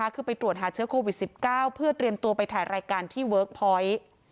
คือไปตรวจหาเชื้อโควิด๑๙เพื่อเตรียมตัวไปถ่ายรายการที่เวิร์คพอยต์